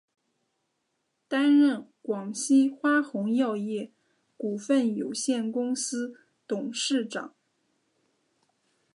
担任广西花红药业股份有限公司董事长。